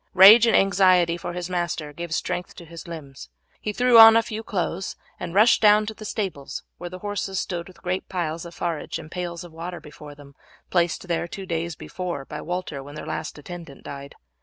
Rage and anxiety for his master gave strength to his limbs. He threw on a few clothes and rushed down to the stables, where the horses stood with great piles of forage and pails of water before them, placed there two days before, by Walter when their last attendant died.